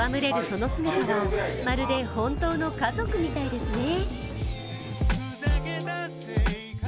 その姿は、まるで本当の家族みたいですね。